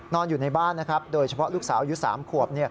อยู่ในบ้านนะครับโดยเฉพาะลูกสาวอายุ๓ขวบ